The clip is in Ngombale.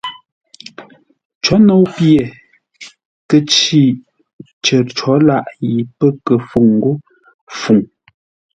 Có nou pye kə pə́ ncí cər cǒ làʼ yi pə́ kə fúŋ ńgó Fuŋ.